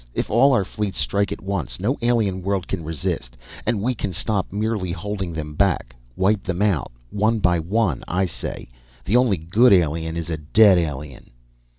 If all our fleets strike at once, no alien world can resist and we can stop merely holding them back. Wipe them out, one by one, I say! The only good alien is a dead alien!"